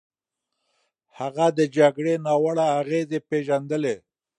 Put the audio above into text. هغه د جګړې ناوړه اغېزې پېژندلې.